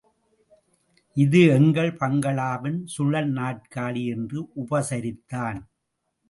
இது எங்கள் பங்களாவின் சுழல்நாற்காலி என்று உபசரித்தான்.